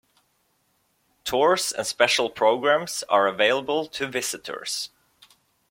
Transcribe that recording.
Tours and special programs are available to visitors.